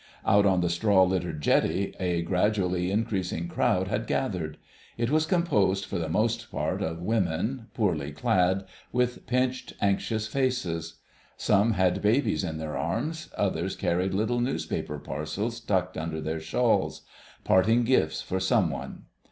Out on the straw littered jetty a gradually increasing crowd had gathered. It was composed for the most part of women, poorly clad, with pinched, anxious faces. Some had babies in their arms; others carried little newspaper parcels tucked under their shawls: parting gifts for some one.